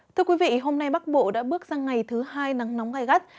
thưa quý vị hôm nay bắc bộ đã bước sang ngày thứ hai nắng nóng gai gắt